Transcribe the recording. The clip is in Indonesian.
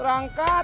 jalannya cepat amat